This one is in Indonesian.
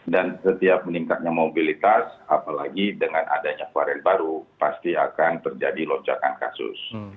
dan setiap meningkatnya mobilitas apalagi dengan adanya varen baru pasti akan terjadi lonjakan kasus